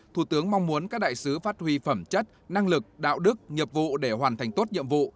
thủ tướng mong muốn các đại sứ phát huy phẩm chất năng lực đạo đức nhiệm vụ để hoàn thành tốt nhiệm vụ